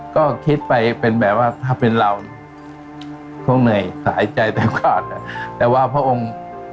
ก็คิดไปเป็นแบบว่าถ้าเป็นเราคงเหนื่อยหายใจแต่ขาดอ่ะแต่ว่าพระองค์